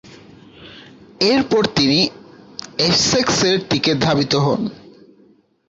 এরপর তিনি এসেক্সের দিকে ধাবিত হন।